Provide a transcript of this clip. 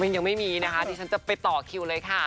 ยังไม่มีนะคะที่ฉันจะไปต่อคิวเลยค่ะ